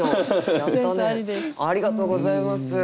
ありがとうございます。